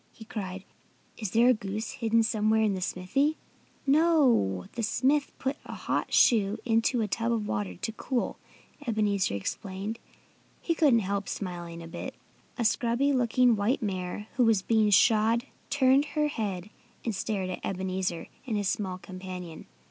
he cried. "Is there a goose hidden somewhere in the smithy?" "No! The smith put the hot shoe into a tub of water, to cool," Ebenezer explained. He couldn't help smiling a bit. A scrubby looking white mare who was being shod turned her head and stared at Ebenezer and his small companion.